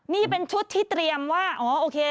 นี่เป็นชุดที่เตรียมว่าอ๋อโอเค